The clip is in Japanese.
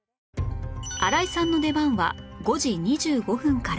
新井さんの出番は５時２５分から